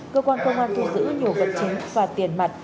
cơ quan công an thu giữ nhiều vật chứng và tiền mặt